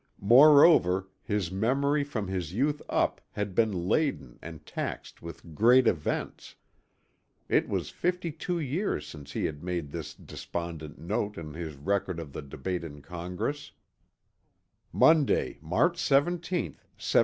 Moreover his memory from his youth up had been laden and taxed with great events. It was fifty two years since he had made this despondent note in his record of the debates in Congress: "Monday, March 17, 1783.